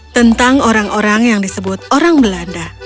tentang orang orang yang disebut orang belanda